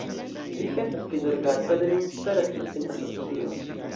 Ĝi estas prizorgata de memstara subten-asocio.